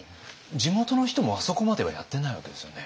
地元の人もあそこまではやってないわけですよね？